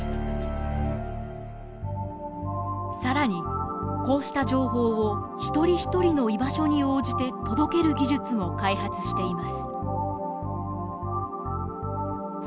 更にこうした情報を一人一人の居場所に応じて届ける技術も開発しています。